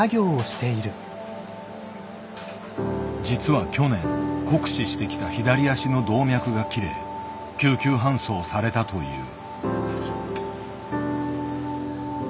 実は去年酷使してきた左足の動脈が切れ救急搬送されたという。